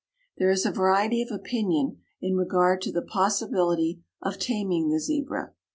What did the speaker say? There is a variety of opinion in regard to the possibility of taming the Zebra.